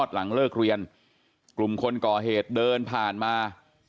หลังเลิกเรียนกลุ่มคนก่อเหตุเดินผ่านมา